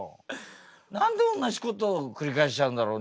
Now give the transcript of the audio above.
何で同じことを繰り返しちゃうんだろう。